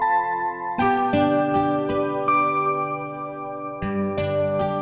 dia bulat haut nyaman